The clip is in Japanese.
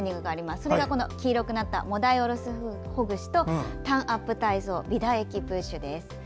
それが黄色くなったモダイオラスほぐしと舌アップ体操美唾液プッシュです。